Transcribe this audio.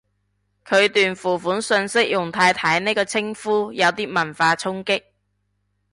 佢段付款訊息用太太呢個稱呼，有啲文化衝擊